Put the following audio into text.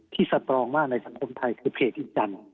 สตรองมากในสังคมไทยคือเพจอีจันทร์